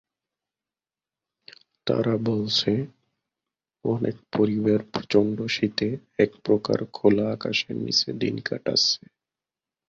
তারা বলছে, অনেক পরিবার প্রচণ্ড শীতে একপ্রকার খোলা আকাশের নিচে দিন কাটাচ্ছে।